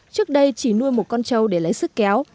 trước đây chỉ nuôi một con trâu để lấy sức kéo